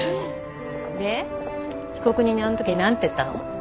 で被告人にあのとき何て言ったの？